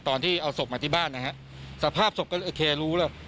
ตอนที่เอาศพมาที่บ้านนะฮะสภาพศพก็โอเครู้แล้ว